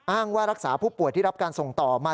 ว่ารักษาผู้ป่วยที่รับการส่งต่อมา